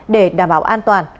để đảm bảo an toàn